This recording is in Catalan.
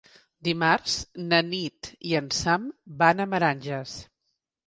Dimarts na Nit i en Sam van a Meranges.